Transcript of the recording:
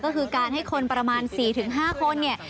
ก็คือการให้คนประมาณ๔๕คนเนี่ย